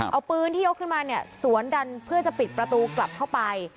เอาปืนที่ยกขึ้นมาเนี่ยสวนดันเพื่อจะปิดประตูกลับเข้าไป